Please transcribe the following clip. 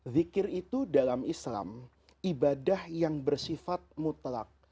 zikir itu dalam islam ibadah yang bersifat mutlak